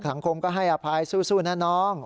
สังคมก็ให้อภัยสู้นะน้อง